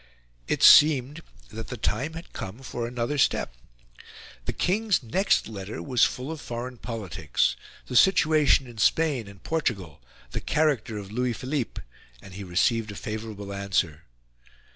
It seemed that the time had come for another step. The King's next letter was full of foreign politics the situation in Spain and Portugal, the character of Louis Philippe; and he received a favourable answer.